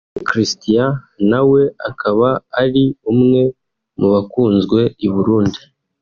Christian na we akaba ari umwe mu bakunzwe i Burundi